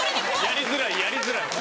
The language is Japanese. やりづらいやりづらい。